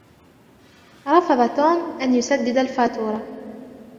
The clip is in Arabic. رفض توم أن يسدّد الفاتورة.